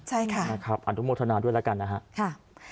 ใช่ค่ะนะครับอัตโนโมทนาด้วยแล้วกันนะฮะค่ะ